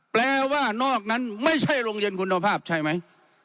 แปลว่านอกนั้นไม่ใช่โรงเรียนคุณภาพใช่ไหม